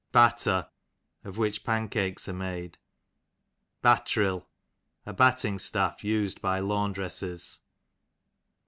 Batter, of which pancakes are made. Battril, a batting staff us'd by laundresses.